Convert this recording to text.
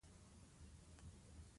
کلک خج دې په بل مثال کې وکاروئ.